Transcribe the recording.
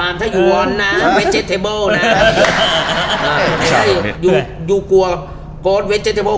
ไม่ต้องคอมา